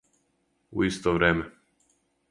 У исто време.